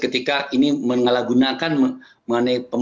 ketika ini mengalahgunakan mengalahgunakan